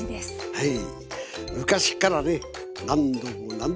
はい。